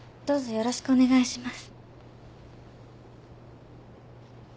よろしくお願いします。